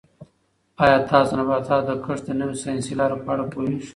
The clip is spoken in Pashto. آیا تاسو د نباتاتو د کښت د نویو ساینسي لارو په اړه پوهېږئ؟